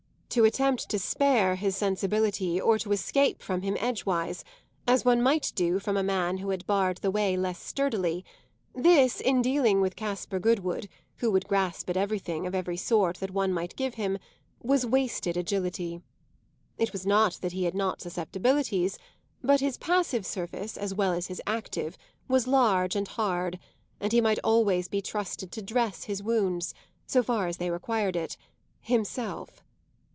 To attempt to spare his sensibility or to escape from him edgewise, as one might do from a man who had barred the way less sturdily this, in dealing with Caspar Goodwood, who would grasp at everything of every sort that one might give him, was wasted agility. It was not that he had not susceptibilities, but his passive surface, as well as his active, was large and hard, and he might always be trusted to dress his wounds, so far as they required it, himself.